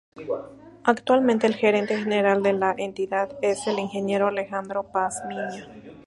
Actualmente el gerente general de la entidad es el Ing. Alejandro Pazmiño.